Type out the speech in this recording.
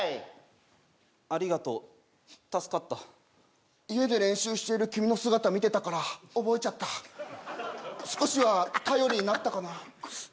ありがとう助かった家で練習している君の姿見てたから覚えちゃった少しは頼りになったかな